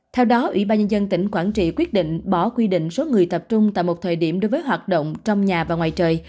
theo đó ủy ban nhân dân tỉnh quảng trị quyết định bỏ quy định số người tập trung tại một thời điểm đối với hoạt động trong nhà và ngoài trời